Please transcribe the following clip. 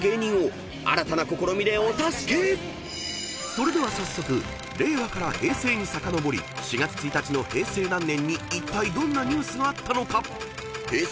［それでは早速令和から平成にさかのぼり４月１日の平成何年にいったいどんなニュースがあったのかＨｅｙ！